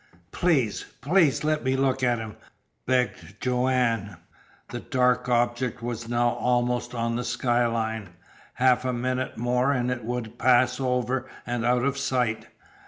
"Please please let me look at him," begged Joanne. The dark object was now almost on the skyline. Half A minute more and it would pass over and out of sight.